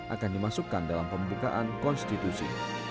akan dimasukkan dalam pembukaan konstitusi